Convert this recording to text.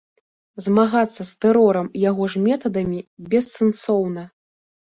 Змагацца з тэрорам яго ж метадамі бессэнсоўна.